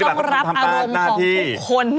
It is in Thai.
ต้องรับอารมณ์ของทุกคน